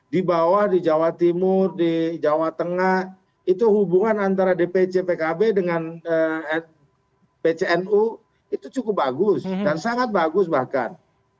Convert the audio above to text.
di bawah di jawa timur di jawa tengah itu hubungan antara dpc pkb dengan pcnu itu cukup bagus dan sangat bagus bahkan